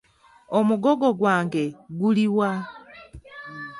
Omugogo gwange guli wa?